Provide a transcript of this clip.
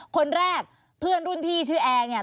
คนแรกเพื่อนรุ่นพี่ชื่อแอร์เนี่ย